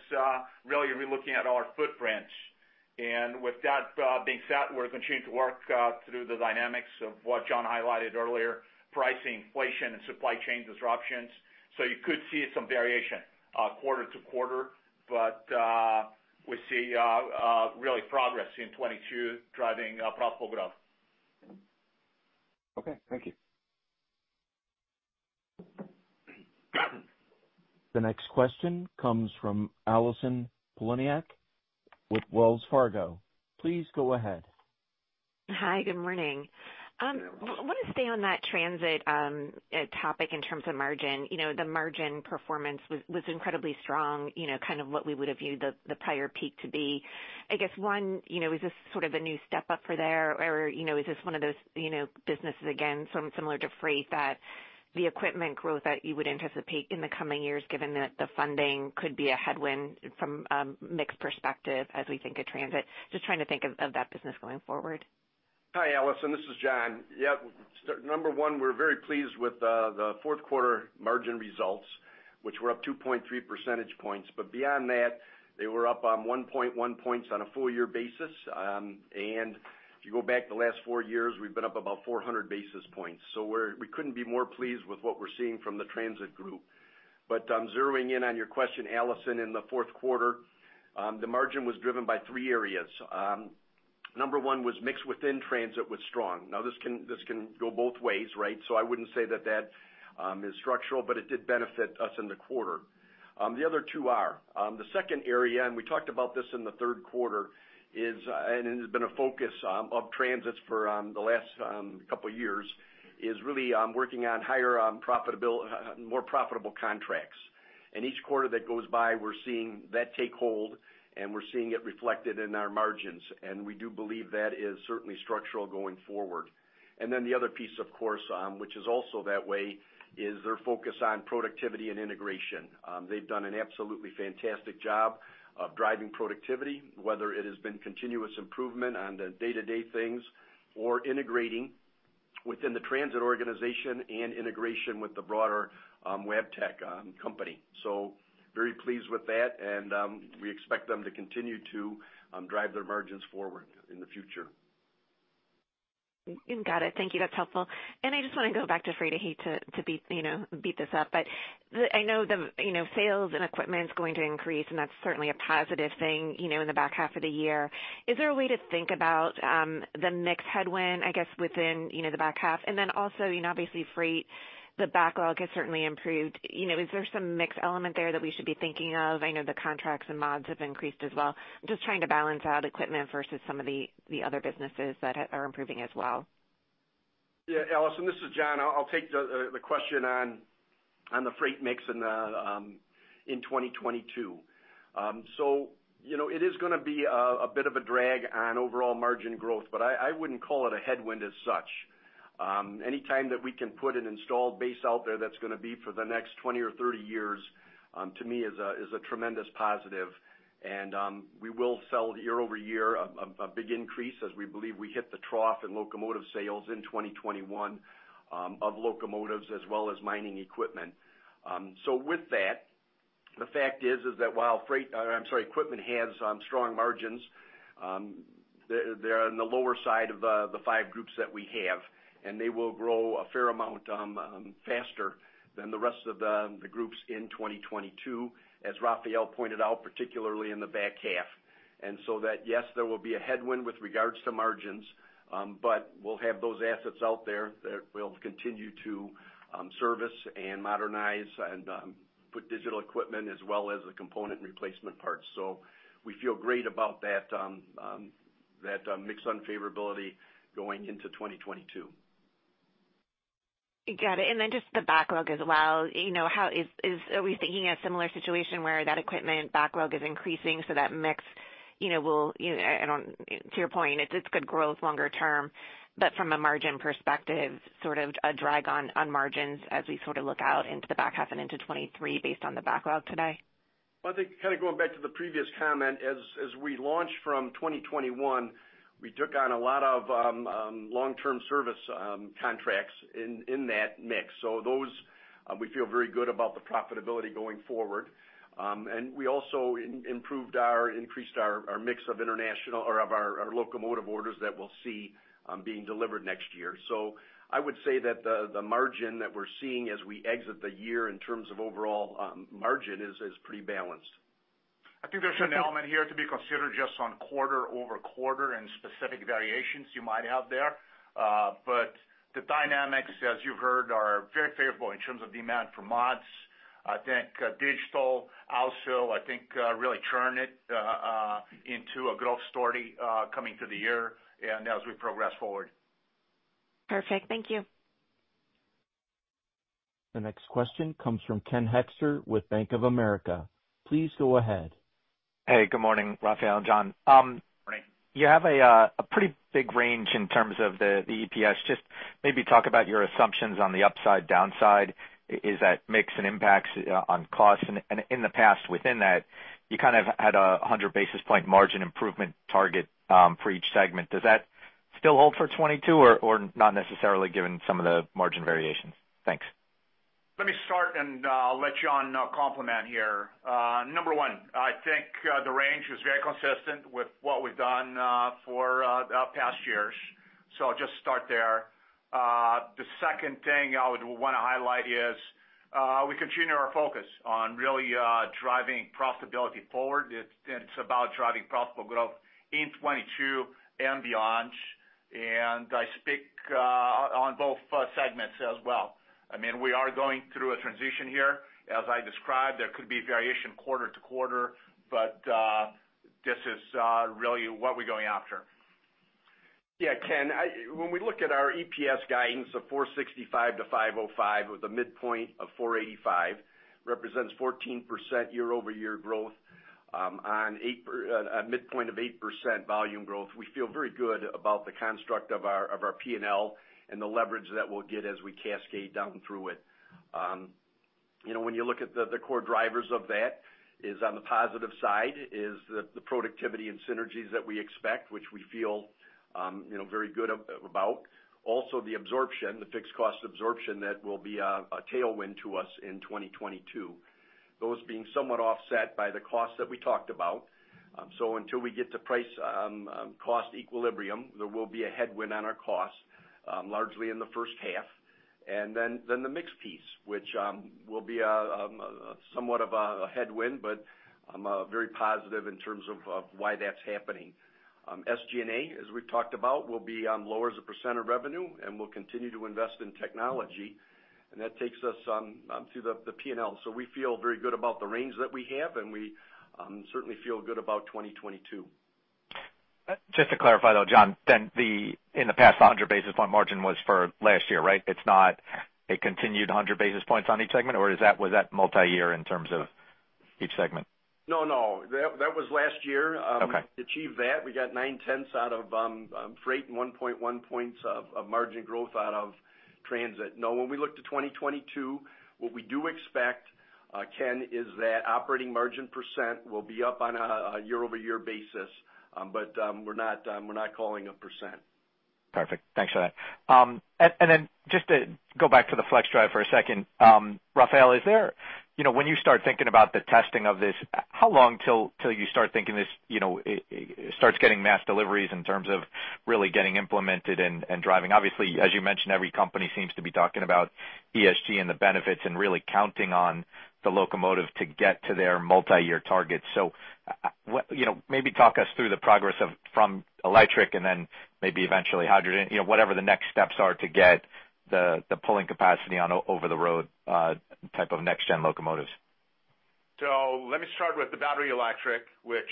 really looking at our footprints. With that being said, we're continuing to work through the dynamics of what John highlighted earlier, pricing, inflation, and supply chain disruptions. You could see some variation quarter to quarter, but we see really progress in 2022 driving profitable growth. Okay. Thank you. The next question comes from Allison Poliniak with Wells Fargo. Please go ahead. Hi, good morning. Wanna stay on that transit topic in terms of margin. You know, the margin performance was incredibly strong, you know, kind of what we would have viewed the prior peak to be. I guess, one, you know, is this sort of a new step up for there? Or, you know, is this one of those, you know, businesses, again, similar to freight, that the equipment growth that you would anticipate in the coming years, given that the funding could be a headwind from a mixed perspective as we think of transit? Just trying to think of that business going forward. Hi, Allison. This is John. Yeah. Number one, we're very pleased with the fourth quarter margin results, which were up 2.3 percentage points. Beyond that, they were up 1.1 percentage points on a full year basis. If you go back the last four years, we've been up about 400 basis points. We couldn't be more pleased with what we're seeing from the transit group. Zeroing in on your question, Allison, in the fourth quarter, the margin was driven by 3 areas. Number one was mix within transit was strong. Now, this can go both ways, right? I wouldn't say that is structural, but it did benefit us in the quarter. The other two are the second area, and we talked about this in the third quarter, is, and it has been a focus of transit for the last couple of years, is really working on higher profitability, more profitable contracts. Each quarter that goes by, we're seeing that take hold, and we're seeing it reflected in our margins, and we do believe that is certainly structural going forward. The other piece, of course, which is also that way, is their focus on productivity and integration. They've done an absolutely fantastic job of driving productivity, whether it has been continuous improvement on the day-to-day things or integrating within the transit organization and integration with the broader Wabtec company. Very pleased with that, and we expect them to continue to drive their margins forward in the future. Got it. Thank you. That's helpful. I just wanna go back to freight. I hate to beat this up, you know, but I know the sales and equipment is going to increase, and that's certainly a positive thing, you know, in the back half of the year. Is there a way to think about the mix headwind, I guess, within the back half? Also, you know, obviously freight, the backlog has certainly improved. You know, is there some mix element there that we should be thinking of? I know the contracts and mods have increased as well. Just trying to balance out equipment versus some of the other businesses that are improving as well. Yeah, Allison, this is John. I'll take the question on the freight mix in 2022. So, you know, it is gonna be a bit of a drag on overall margin growth, but I wouldn't call it a headwind as such. Anytime that we can put an installed base out there that's gonna be for the next 20 or 30 years, to me, is a tremendous positive. We will sell year over year a big increase as we believe we hit the trough in locomotive sales in 2021 of locomotives as well as mining equipment. With that, the fact is that while freight, or I'm sorry, equipment has strong margins, they're on the lower side of the five groups that we have, and they will grow a fair amount faster than the rest of the groups in 2022, as Rafael pointed out, particularly in the back half. That yes, there will be a headwind with regards to margins, but we'll have those assets out there that we'll continue to service and modernize and put digital equipment as well as the component replacement parts. We feel great about that mix unfavorability going into 2022. Got it. Just the backlog as well, you know, are we thinking a similar situation where that equipment backlog is increasing so that mix, you know, will, you know, to your point, it's good growth longer term, but from a margin perspective, sort of a drag on margins as we sort of look out into the back half and into 2023 based on the backlog today. Well, I think kinda going back to the previous comment, as we launched from 2021, we took on a lot of long-term service contracts in that mix. Those we feel very good about the profitability going forward. We also increased our mix of international or of our locomotive orders that we'll see being delivered next year. I would say that the margin that we're seeing as we exit the year in terms of overall margin is pretty balanced. I think there's an element here to be considered just on quarter-over-quarter and specific variations you might have there. The dynamics, as you heard, are very favorable in terms of demand for mods. I think digital also really turned it into a growth story coming through the year and as we progress forward. Perfect. Thank you. The next question comes from Ken Hoexter with Bank of America. Please go ahead. Hey, good morning, Rafael and John. Morning. You have a pretty big range in terms of the EPS. Just maybe talk about your assumptions on the upside, downside. Is that mix and impacts on costs? In the past within that, you kind of had a 100 basis point margin improvement target for each segment. Does that still hold for 2022 or not necessarily given some of the margin variations? Thanks. Let me start, and I'll let John comment here. Number one, I think the range is very consistent with what we've done for the past years. I'll just start there. The second thing I would wanna highlight is we continue our focus on really driving profitability forward. It's about driving profitable growth in 2022 and beyond. I speak on both segments as well. I mean, we are going through a transition here. As I described, there could be variation quarter to quarter, but this is really what we're going after. Yeah, Ken, when we look at our EPS guidance of 4.65 to 5.05, with a midpoint of 4.85, represents 14% year-over-year growth, on a midpoint of 8% volume growth, we feel very good about the construct of our P&L and the leverage that we'll get as we cascade down through it. You know, when you look at the core drivers of that on the positive side is the productivity and synergies that we expect, which we feel, you know, very good about. Also, the fixed cost absorption that will be a tailwind to us in 2022. Those being somewhat offset by the costs that we talked about. Until we get to price-cost equilibrium, there will be a headwind on our costs, largely in the first half. Then the mix piece, which will be somewhat of a headwind, but I'm very positive in terms of why that's happening. SG&A, as we've talked about, will be lower as a % of revenue, and we'll continue to invest in technology. That takes us on through the P&L. We feel very good about the range that we have, and we certainly feel good about 2022. Just to clarify though, John, in the past 100 basis points margin was for last year, right? It's not a continued 100 basis points on each segment, or is that, was that multiyear in terms of each segment? No. That was last year. Okay. Achieved that. We got 0.9 out of freight and 1.1 points of margin growth out of transit. Now when we look to 2022, what we do expect, Ken, is that operating margin % will be up on a year-over-year basis, but we're not calling a percent. Perfect. Thanks for that. Just to go back to the FLXdrive for a second, Rafael, is there, you know, when you start thinking about the testing of this, how long till you start thinking this, you know, it starts getting mass deliveries in terms of really getting implemented and driving? Obviously, as you mentioned, every company seems to be talking about ESG and the benefits and really counting on the locomotive to get to their multiyear targets. What, you know, maybe talk us through the progress of from electric and then maybe eventually hydrogen, you know, whatever the next steps are to get the pulling capacity on over the road type of next gen locomotives. Let me start with the battery electric, which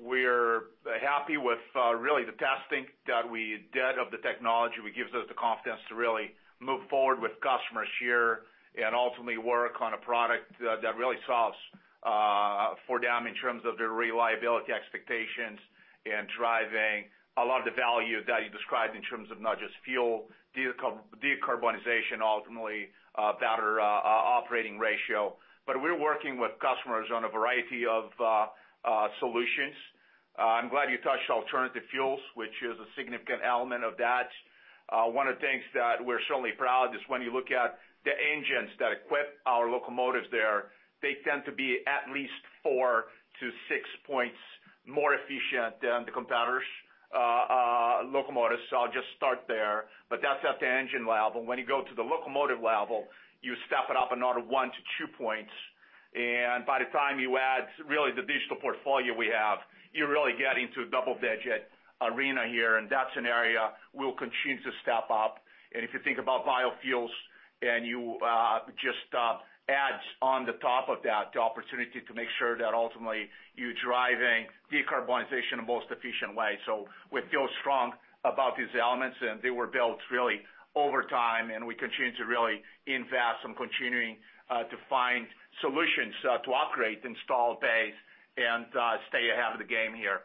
we're happy with, really the testing that we did of the technology, which gives us the confidence to really move forward with customers here and ultimately work on a product that really solves for them in terms of their reliability expectations and driving a lot of the value that you described in terms of not just fuel, decarbonization, ultimately better operating ratio. We're working with customers on a variety of solutions. I'm glad you touched alternative fuels, which is a significant element of that. One of the things that we're certainly proud is when you look at the engines that equip our locomotives there, they tend to be at least 4-6 points more efficient than the competitors' locomotives. I'll just start there. That's at the engine level. When you go to the locomotive level, you step it up another 1-2 points. By the time you add really the digital portfolio we have, you're really getting to a double-digit arena here, and that's an area we'll continue to step up. If you think about biofuels and you, just, adds on the top of that the opportunity to make sure that ultimately you're driving decarbonization in most efficient way. We feel strong about these elements, and they were built really over time, and we continue to really invest and continuing to find solutions to operate the installed base and stay ahead of the game here.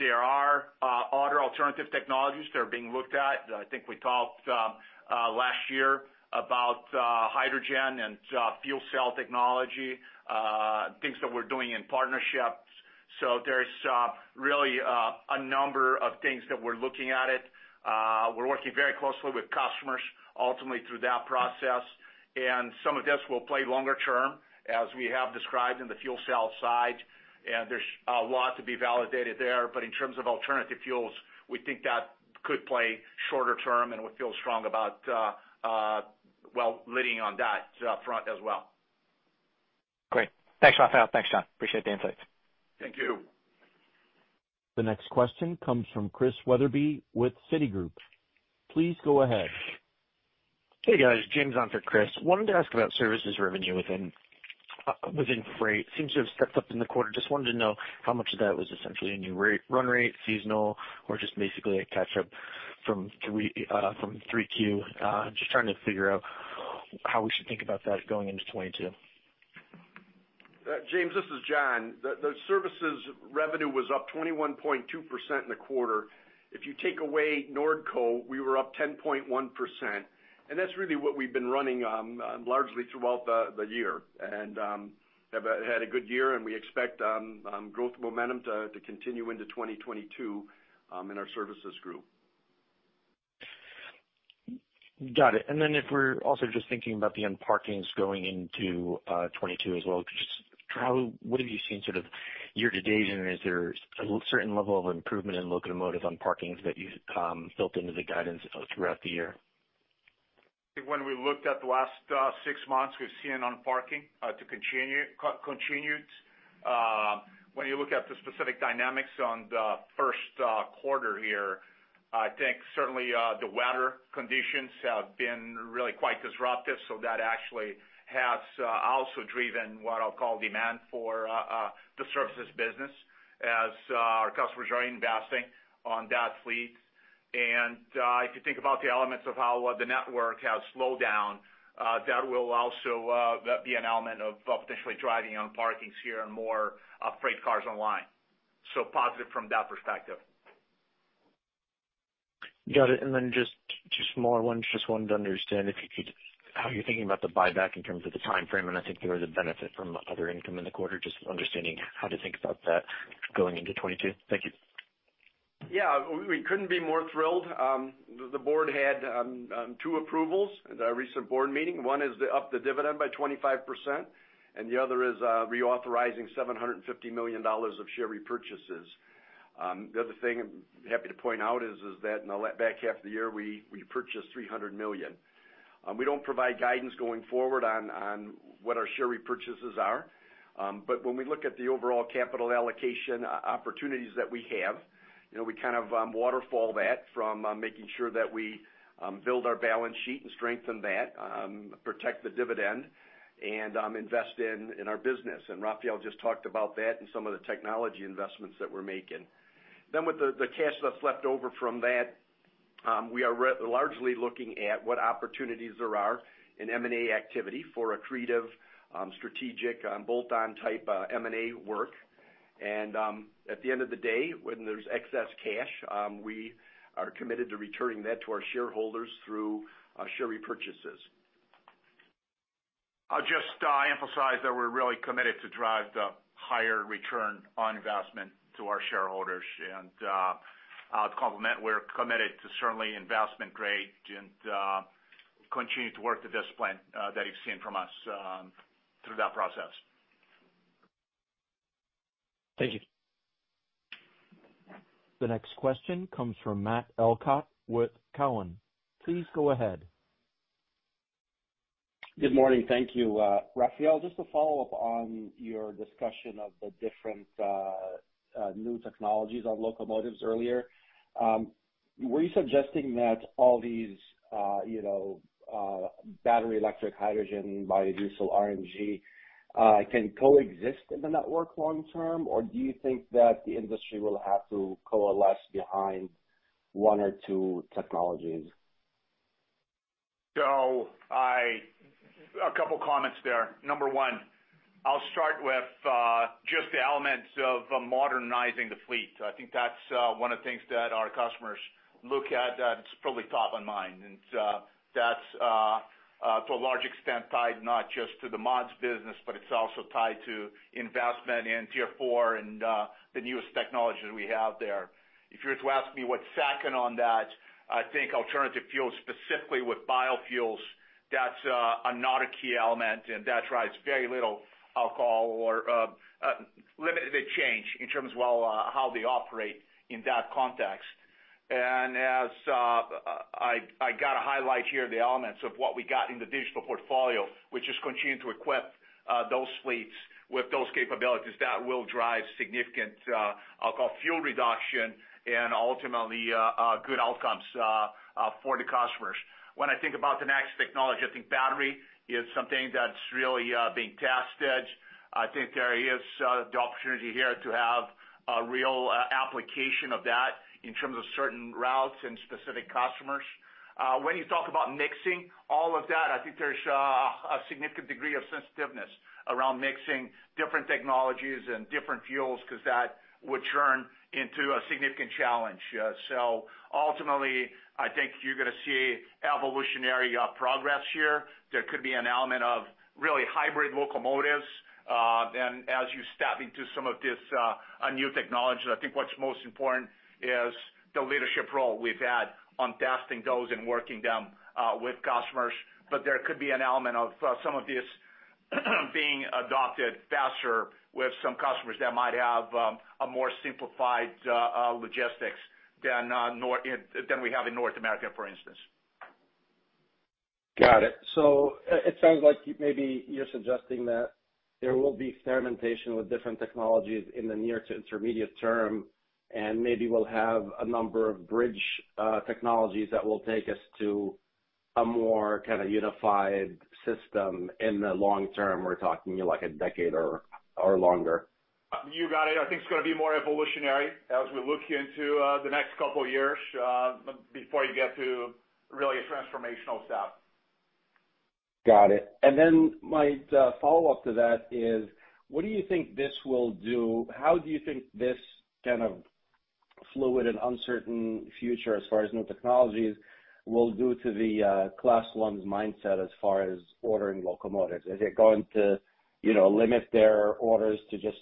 There are other alternative technologies that are being looked at. I think we talked last year about hydrogen and fuel cell technology, things that we're doing in partnerships. There's really a number of things that we're looking at it. We're working very closely with customers ultimately through that process. Some of this will play longer term, as we have described in the fuel cell side, and there's a lot to be validated there. In terms of alternative fuels, we think that could play shorter term, and we feel strong about well leading on that front as well. Great. Thanks, Rafael. Thanks, John. Appreciate the insight. Thank you. The next question comes from Christian Wetherbee with Citigroup. Please go ahead. Hey, guys. James on for Chris. Wanted to ask about services revenue within freight. Seems to have stepped up in the quarter. Just wanted to know how much of that was essentially a new rate, run rate, seasonal, or just basically a catch up from 3Q. Just trying to figure out how we should think about that going into 2022. James, this is John. The services revenue was up 21.2% in the quarter. If you take away Nordco, we were up 10.1%, and that's really what we've been running largely throughout the year. We had a good year, and we expect growth momentum to continue into 2022 in our services group. Got it. If we're also just thinking about the unparkings going into 2022 as well, just what have you seen sort of year to date, and is there a certain level of improvement in locomotive unparkings that you've built into the guidance throughout the year? When we looked at the last six months, we've seen unparking continue. When you look at the specific dynamics on the first quarter here, I think certainly the weather conditions have been really quite disruptive, so that actually has also driven what I'll call demand for the services business as our customers are investing on that fleet. If you think about the elements of how the network has slowed down, that will also be an element of potentially driving unparkings here and more freight cars online. Positive from that perspective. Got it. Just one more. Just wanted to understand if you could, how you're thinking about the buyback in terms of the timeframe, and I think there was a benefit from other income in the quarter, just understanding how to think about that going into 2022. Thank you. Yeah. We couldn't be more thrilled. The board had two approvals at our recent board meeting. One is to up the dividend by 25%, and the other is reauthorizing $750 million of share repurchases. The other thing I'm happy to point out is that in the back half of the year, we purchased $300 million. We don't provide guidance going forward on what our share repurchases are. But when we look at the overall capital allocation opportunities that we have, you know, we kind of waterfall that from making sure that we build our balance sheet and strengthen that, protect the dividend and invest in our business. Rafael just talked about that in some of the technology investments that we're making. With the cash that's left over from that, we are largely looking at what opportunities there are in M&A activity for accretive, strategic, bolt-on type, M&A work. At the end of the day, when there's excess cash, we are committed to returning that to our shareholders through share repurchases. I'll just emphasize that we're really committed to drive the higher return on investment to our shareholders. To complement, we're committed to certainly investment grade and continue to work the discipline that you've seen from us through that process. Thank you. The next question comes from Matt Elkott with Cowen. Please go ahead. Good morning. Thank you. Rafael, just to follow up on your discussion of the different, new technologies on locomotives earlier, were you suggesting that all these, you know, battery, electric, hydrogen, biodiesel, RNG, can coexist in the network long term, or do you think that the industry will have to coalesce behind one or two technologies? A couple of comments there. Number one, I'll start with just the elements of modernizing the fleet. I think that's one of the things that our customers look at that's probably top of mind. That's to a large extent tied not just to the mods business, but it's also tied to investment in Tier 4 and the newest technologies we have there. If you were to ask me what's second on that, I think alternative fuels, specifically with biofuels, that's another key element, and that drives very little alteration or limited change in terms of, well, how they operate in that context. As I gotta highlight here the elements of what we got in the digital portfolio, which is continuing to equip those fleets with those capabilities that will drive significant, I'll call fuel reduction and ultimately good outcomes for the customers. When I think about the next technology, I think battery is something that's really being tested. I think there is the opportunity here to have a real application of that in terms of certain routes and specific customers. When you talk about mixing all of that, I think there's a significant degree of sensitiveness around mixing different technologies and different fuels because that would turn into a significant challenge. Ultimately, I think you're gonna see evolutionary progress here. There could be an element of really hybrid locomotives, and as you step into some of this, new technology, I think what's most important is the leadership role we've had on testing those and working them, with customers. There could be an element of some of these being adopted faster with some customers that might have a more simplified logistics than we have in North America, for instance. Got it. It sounds like maybe you're suggesting that there will be experimentation with different technologies in the near to intermediate term, and maybe we'll have a number of bridge technologies that will take us to a more kind of unified system in the long term. We're talking like a decade or longer. You got it. I think it's gonna be more evolutionary as we look into the next couple of years before you get to really a transformational step. Got it. My follow-up to that is, how do you think this kind of fluid and uncertain future as far as new technologies will do to the Class I's mindset as far as ordering locomotives? Is it going to, you know, limit their orders to just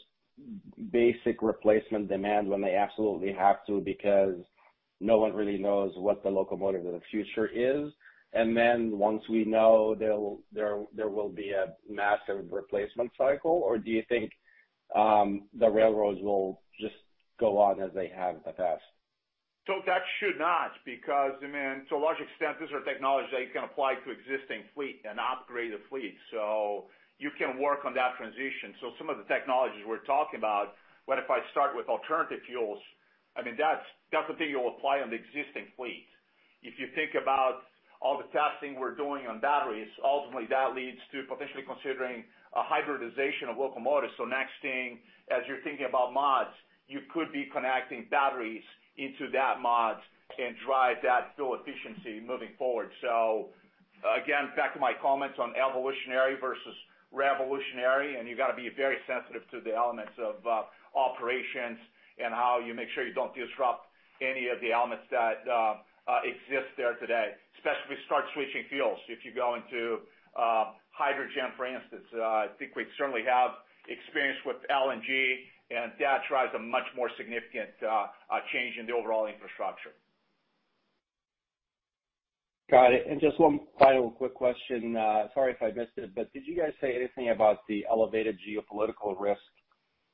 basic replacement demand when they absolutely have to, because no one really knows what the locomotive of the future is. Once we know, there will be a massive replacement cycle. Do you think the railroads will just go on as they have in the past? That should not because, I mean, to a large extent, these are technologies that you can apply to existing fleet and upgraded fleets. You can work on that transition. Some of the technologies we're talking about, what if I start with alternative fuels? I mean, that's something you'll apply on the existing fleet. If you think about all the testing we're doing on batteries, ultimately that leads to potentially considering a hybridization of locomotives. Next thing, as you're thinking about mods, you could be connecting batteries into that mod and drive that fuel efficiency moving forward. Again, back to my comments on evolutionary versus revolutionary, and you've got to be very sensitive to the elements of operations and how you make sure you don't disrupt any of the elements that exist there today, especially if you start switching fuels. If you go into hydrogen, for instance, I think we certainly have experience with LNG, and that drives a much more significant change in the overall infrastructure. Got it. Just one final quick question. Sorry if I missed it, but did you guys say anything about the elevated geopolitical risk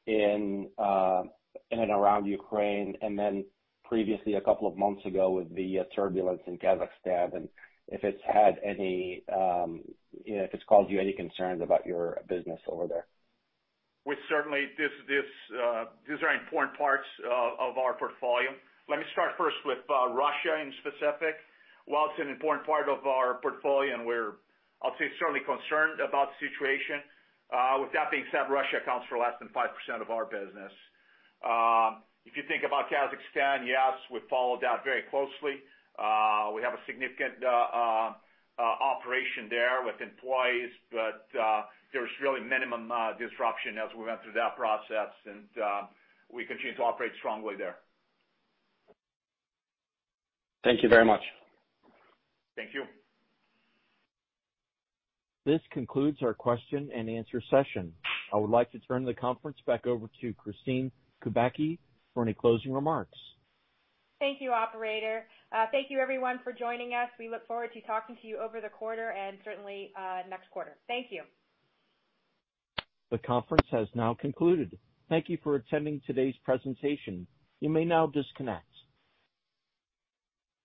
in and around Ukraine and then previously a couple of months ago with the turbulence in Kazakhstan, and if it's caused you any concerns about your business over there? These are important parts of our portfolio. Let me start first with Russia in specific. While it's an important part of our portfolio, and we're, I'll say, certainly concerned about the situation, with that being said, Russia accounts for less than 5% of our business. If you think about Kazakhstan, yes, we followed that very closely. We have a significant operation there with employees, but there's really minimal disruption as we went through that process, and we continue to operate strongly there. Thank you very much. Thank you. This concludes our question-and-answer session. I would like to turn the conference back over to Kristine Kubacki for any closing remarks. Thank you, operator. Thank you everyone for joining us. We look forward to talking to you over the quarter and certainly, next quarter. Thank you. The conference has now concluded. Thank you for attending today's presentation. You may now disconnect.